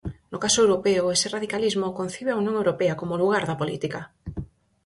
No caso europeo, ese radicalismo concibe a Unión Europea como o lugar da política.